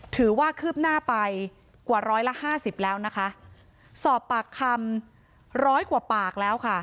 คืบหน้าไปกว่าร้อยละห้าสิบแล้วนะคะสอบปากคำร้อยกว่าปากแล้วค่ะ